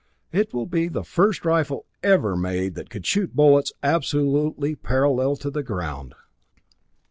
It will be the first rifle ever made that could shoot bullets absolutely parallel to the ground.